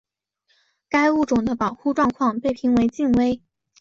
该物种的保护状况被评为近危。